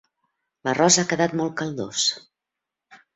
L'arròs ha quedat molt caldós.